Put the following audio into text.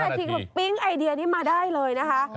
ทีก็ปิ๊งไอเดียนี้มาได้เลยนะคะ